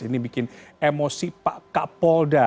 ini bikin emosi pak kapolda